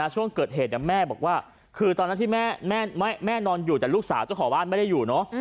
ช่วงเกิดเหตุแม่บอกว่าคือตอนนั้นที่แม่นอนอยู่แต่ลูกสาวเจ้าของบ้านไม่ได้อยู่เนอะ